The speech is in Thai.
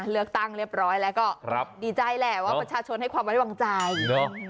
เลือกตั้งเรียบร้อยแล้วก็ดีใจแหละว่าประชาชนให้ความไว้วางใจเนอะ